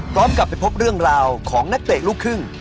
กลับไปพบเรื่องราวของนักเตะลูกครึ่ง